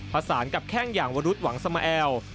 ประสานกับแข้งอย่างวรุษหวังสมแอล